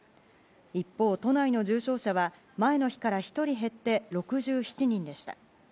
一方、都内の重症者は前の日から１人減って６７人でした。